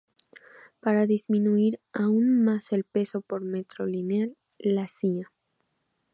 Para disminuir aún más el peso por metro lineal, la Cía.